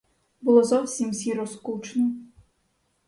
Було зовсім сіро скучно.